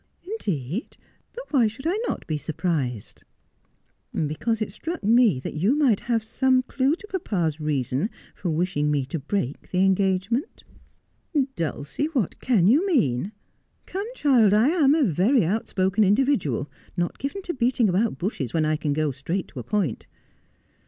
' Indeed ! but why should I not be surprised 'I ' 202 Just as I Am. 'Because it struck me that you might have some clue to papa's reasons for wishing me to break the engagement.' ' Dulcie, what can you mean ? Come, child, I am a very out spoken individual, not given to beating about bushes when I can go straight to a point.